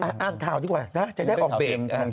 ค่าที่กว่านะจะได้ออกเบียง